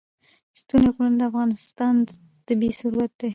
ستوني غرونه د افغانستان طبعي ثروت دی.